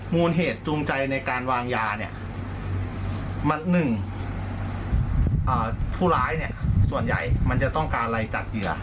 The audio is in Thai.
มูลเหตุจูงใจในการวางยาเนี่ยหนึ่งผู้ร้ายเนี่ยส่วนใหญ่มันจะต้องการอะไรจากเหยื่อ